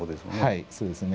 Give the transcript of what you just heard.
はいそうですね。